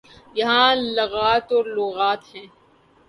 یہاں لغات اور لغات ہے۔